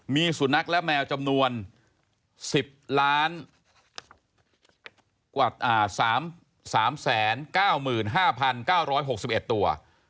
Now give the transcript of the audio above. มีสุนัขและแมวจำนวน๑๐๓๙๕๙๖๑ตัว